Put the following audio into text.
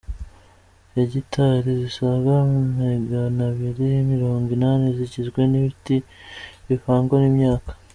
Hegitari zisaga Maganabiri Mirongo inani zigizwe n’ibiti bivangwa n’imyaka